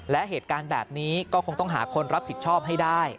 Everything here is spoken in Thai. และเหตุการณ์แบบนี้ก็คงต้องหาคนรับผิดชอบให้ได้